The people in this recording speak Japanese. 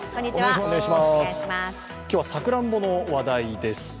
今日はさくらんぼの話題です。